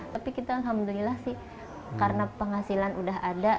tapi kita alhamdulillah sih karena penghasilan udah ada